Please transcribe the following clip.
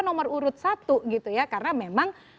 nomor urut satu gitu ya karena memang